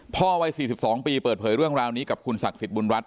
วัย๔๒ปีเปิดเผยเรื่องราวนี้กับคุณศักดิ์สิทธิบุญรัฐ